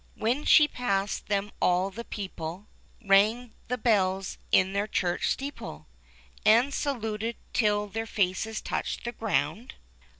When she passed them all the people Rang the bells in their church steeple, And saluted till their faces touched the ground.